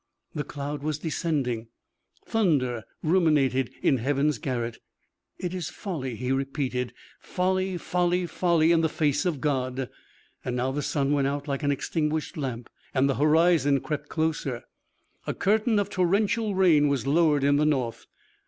The cloud was descending. Thunder ruminated in heaven's garret. "It is folly," he repeated, "folly, folly, folly in the face of God." Now the sun went out like an extinguished lamp, and the horizon crept closer. A curtain of torrential rain was lowered in the north.